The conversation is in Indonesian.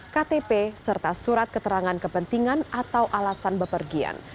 ktp serta surat keterangan kepentingan atau alasan bepergian